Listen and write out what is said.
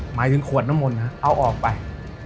หมายถึงขวดน้ำมนต์เอาออกไป